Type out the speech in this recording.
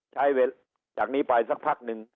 ใช้เวลาจากนี้ไปสักพักนึง